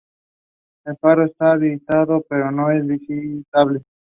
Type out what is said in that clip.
El faro está habitado, pero no es visitable.